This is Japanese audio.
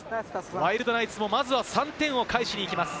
ワイルドナイツもまずは３点を返しに行きます。